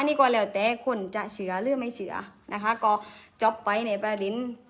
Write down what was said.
อันนี้ก็แล้วแต่คนจะเฉอหรือไม่เฉอนะคะก็จบไปในประดิษฐ์